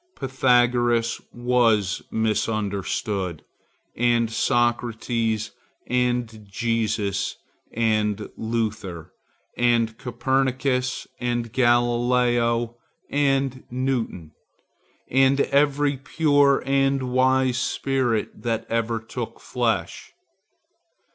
Pythagoras was misunderstood, and Socrates, and Jesus, and Luther, and Copernicus, and Galileo, and Newton, and every pure and wise spirit that ever took flesh.